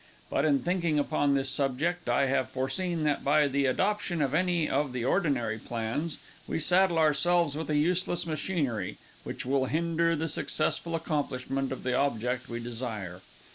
But in thinking upon this subject, I have foreseen that, by the adoption of any of the ordinary plans, we saddle ourselves with a useless machinery, which will hinder the successful accomplishment of the object we desire.